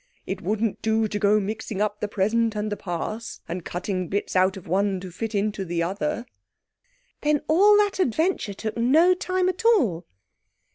It wouldn't do to go mixing up the present and the Past, and cutting bits out of one to fit into the other." "Then all that adventure took no time at all?"